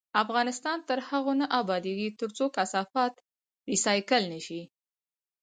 افغانستان تر هغو نه ابادیږي، ترڅو کثافات ریسایکل نشي.